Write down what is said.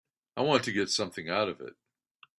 I want to get something out of it.